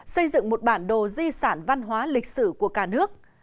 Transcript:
xây dựng một bản đồ di sản văn hóa lịch sử của cả nước